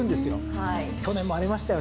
去年も荒れましたよね。